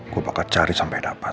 gue bakal cari sampai dapat